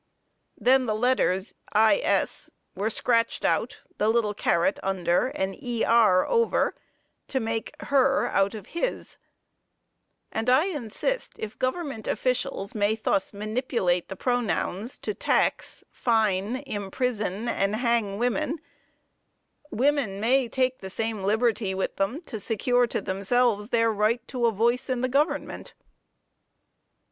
Then the letters "is" were scratched out, the little carat under and "er" over, to make her out of his, and I insist if government officials may thus manipulate the pronouns to tax, fine, imprison and hang women, women may take the same liberty with them to secure to themselves their right to a voice in the government.